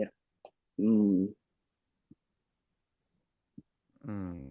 อืม